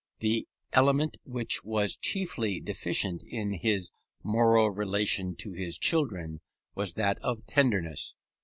The element which was chiefly deficient in his moral relation to his children was that of tenderness.